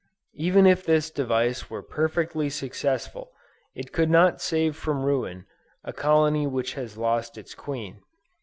Even if this device were perfectly successful, it could not save from ruin, a colony which has lost its queen.